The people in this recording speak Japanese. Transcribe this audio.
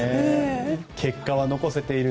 結果は残せている。